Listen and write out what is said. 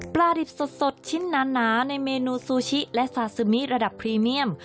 ดิบสดชิ้นหนาในเมนูซูชิและซาซึมิระดับพรีเมียม